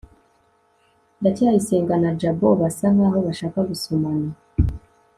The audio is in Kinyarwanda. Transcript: ndacyayisenga na jabo basa nkaho bashaka gusomana